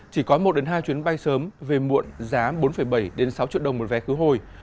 chỉ có một hai chuyến bay sớm về muộn giá bốn bảy sáu triệu đồng một vé khứ hồi